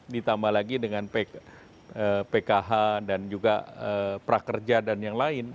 ditambah lagi dengan pkh dan juga prakerja dan yang lain